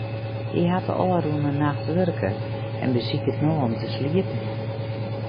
Hy hat de ôfrûne nacht wurke en besiket no om te sliepen.